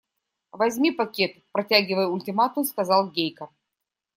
– Возьми пакет, – протягивая ультиматум, сказал Гейка.